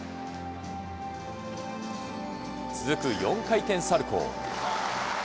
続く４回転サルコー。